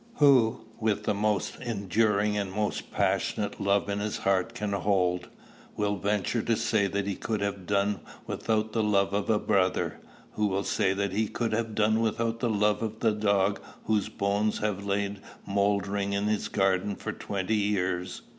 Who, with the most enduring and most passionate love his heart can hold, will venture to say that he could have done without the love of a brother? Who will say that he could have done without the love of the dog whose bones have lain mouldering in his garden for twenty years?